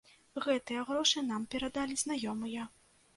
Гэтыя грошы нам перадалі знаёмыя.